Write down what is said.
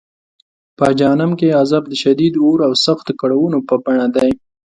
په جهنم کې عذاب د شدید اور او سختو کړاوونو په بڼه دی.